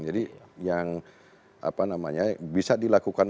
jadi yang bisa dilakukan